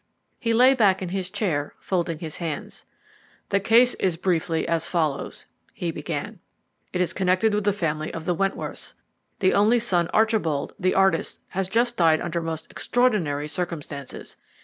He lay back in his chair, folding his hands. "The case is briefly as follows," he began. "It is connected with the family of the Wentworths. The only son, Archibald, the artist, has just died under most extraordinary circumstances.